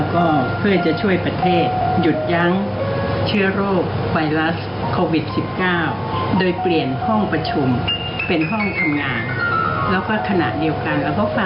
ก็มีความสุขดีค่ะ